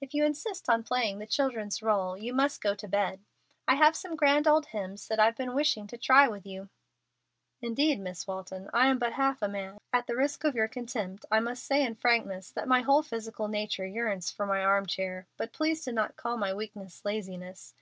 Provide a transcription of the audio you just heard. "If you insist on playing the children's role you must go to bed. I have some grand old hymns that I've been wishing to try with you." "Indeed, Miss Walton, I am but half a man. At the risk of your contempt I must say in frankness that my whole physical nature yearns for my arm chair. But please do not call my weakness laziness.